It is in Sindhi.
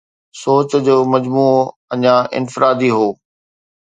سوچ جو مجموعو اڃا انفرادي هو